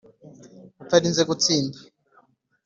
utarinze gutsinda